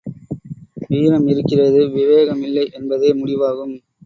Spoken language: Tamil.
வீரம் இருக்கிறது விவேகம் இல்லை, என்பதே முடிவாகும்.